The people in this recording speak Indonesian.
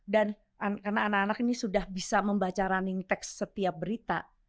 dan karena anak anak ini sudah bisa membaca running text setiap berita